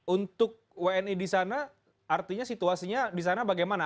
untuk wni di sana artinya situasinya di sana bagaimana